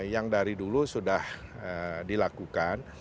yang dari dulu sudah dilakukan